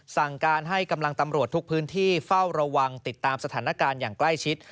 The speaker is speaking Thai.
สั่งการให้กำลังตำรวจทุกพื้นที่เฝ้าระวังติดตามสถานการณ์อย่างใกล้ชิด